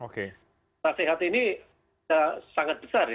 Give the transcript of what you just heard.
kota sehat ini sangat besar